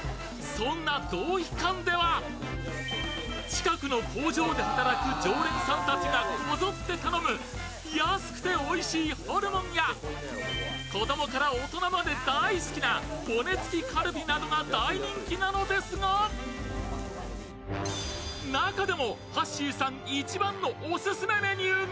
そんな道飛館では、近くの工場で働く常連さんたちがこぞって頼む、安くておいしいホルモンや子供から大人まで大好きな骨付きカルビなどが大人気なのですが道飛館名物。